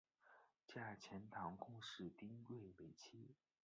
嫁钱塘贡士丁睿为妻。